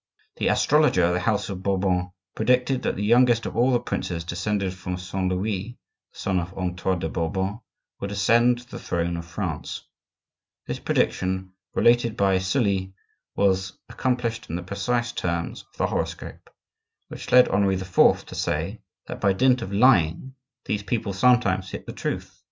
The astrologer of the house of Bourbon predicted that the youngest of all the princes descended from Saint Louis (the son of Antoine de Bourbon) would ascend the throne of France. This prediction, related by Sully, was accomplished in the precise terms of the horoscope; which led Henri IV. to say that by dint of lying these people sometimes hit the truth.